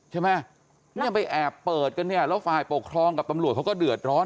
ใช่ไหมเนี่ยไปแอบเปิดกันเนี่ยแล้วฝ่ายปกครองกับตำรวจเขาก็เดือดร้อน